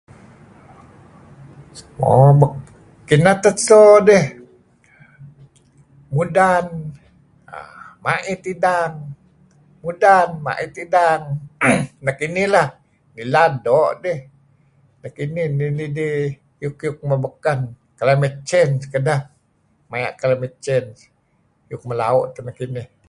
"Mo kineh teh so dih mudan uhm mait idang, mudan mait idang nekinih leyh, Ngilad doo' dih. Nekinih iyuk-iyuk may baken. ""Climate change' kedeh. Maya' climate change. Miyuh melau' keyh."